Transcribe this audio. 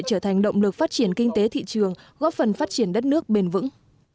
trở thành động lực phát triển kinh tế thị trường góp phần phát triển đất nước bền vững